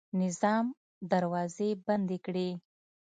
نظام دروازې بندې کړې.